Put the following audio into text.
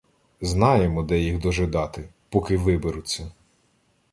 Знаємо, де їх дожидати, поки виберуться.